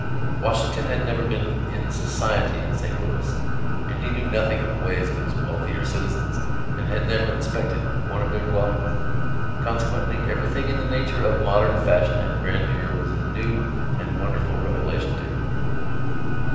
Washington had never been in "society" in St. Louis, and he knew nothing of the ways of its wealthier citizens and had never inspected one of their dwellings. Consequently, everything in the nature of modern fashion and grandeur was a new and wonderful revelation to him.